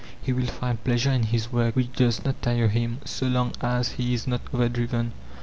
He will find pleasure in his work which does not tire him, so long as he is not overdriven.